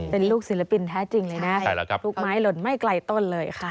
เป็นลูกศิลปินแท้จริงเลยนะลูกไม้หล่นไม่ไกลต้นเลยค่ะ